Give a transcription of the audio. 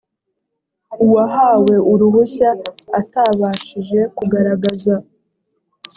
uwahawe uruhushya atabashije kugaragaza